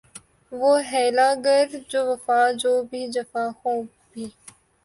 وہ حیلہ گر جو وفا جو بھی ہے جفاخو بھی